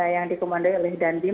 yang dikomando oleh dandi